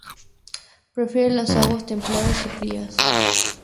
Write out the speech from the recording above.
Prefiere las aguas templadas y frías.